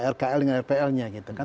rkl dengan rplnya gitu kan